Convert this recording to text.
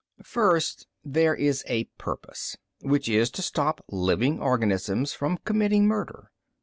"First, there is a purpose. Which is to stop living organisms from committing murder.